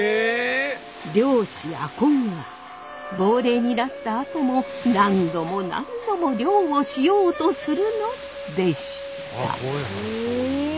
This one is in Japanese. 漁師阿漕は亡霊になったあとも何度も何度も漁をしようとするのでした。